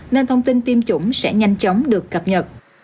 nên thông tin tiêm chủng sẽ nhanh chóng được cập nhật